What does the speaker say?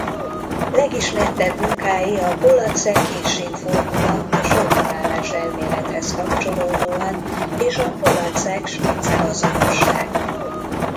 Legismertebb munkái a Pollaczek–Khinchine-formula a sorbanállás-elmélethez kapcsolódóan és a Pollaczek–Spitzer-azonosság.